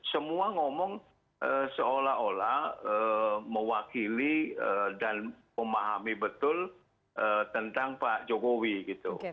semua ngomong seolah olah mewakili dan memahami betul tentang pak jokowi gitu